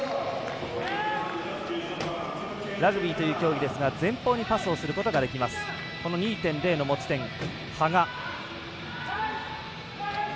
ラグビーという競技ですが前方にパスをすることができます。